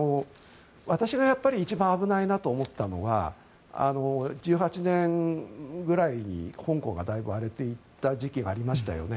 私が一番危ないと思ったのは１８年ぐらいに香港がだいぶ荒れていった時期がありましたよね。